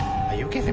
ああ！